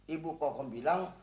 ibu kokom bilang